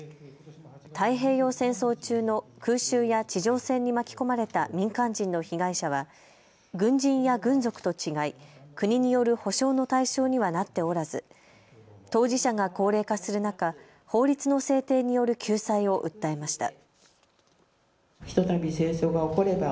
太平洋戦争中の空襲や地上戦に巻き込まれた民間人の被害者は軍人や軍属と違い国による補償の対象にはなっておらず当事者が高齢化する中、法律の制定による救済を訴えました。